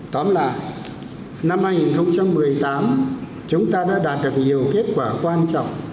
tóm lại năm hai nghìn một mươi tám chúng ta đã đạt được nhiều kết quả quan trọng